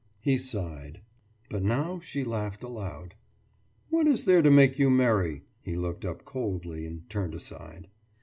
He sighed. But now she laughed aloud. »What is there to make you merry?« He looked up coldly and turned aside.